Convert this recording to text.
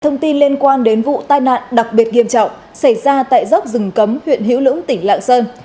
thông tin liên quan đến vụ tai nạn đặc biệt nghiêm trọng xảy ra tại dốc rừng cấm huyện hữu lũng tỉnh lạng sơn